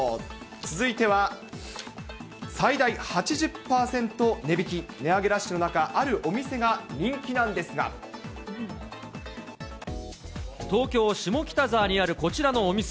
続いては最大８０％値引き、値上げラッシュの中、あるお店が東京・下北沢にあるこちらのお店。